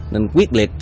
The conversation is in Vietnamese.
nên quyết liệt